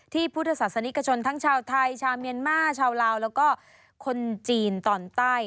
พุทธศาสนิกชนทั้งชาวไทยชาวเมียนมาร์ชาวลาวแล้วก็คนจีนตอนใต้